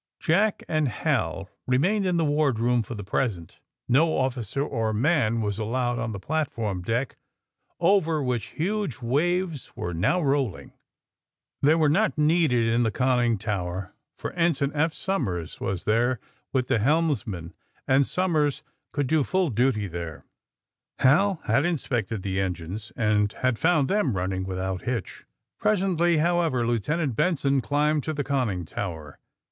Jack and Hal remained in the wardroom for the present. No officer or man was allowed on AJSTD THE SMUGGLERS 115 the platform deck, over which huge waves were now rolling. They were not needed in the con ning tower, for Ensign Eph Somers was there with the helmsman, and Somers conld do full duty there. Hal had inspected the engines, and had found them running without hitch. Presently, however, Lieutenant Benson climbed to the conning tower.